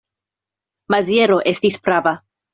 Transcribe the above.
Maziero estis prava.